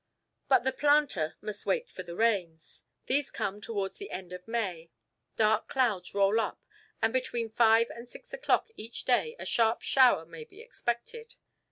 But the planter must wait for the rains. These come towards the end of May. Dark clouds roll up, and between five and six o'clock each day a sharp shower may be expected.